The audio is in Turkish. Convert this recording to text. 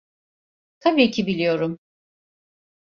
Tabii ki biliyorum.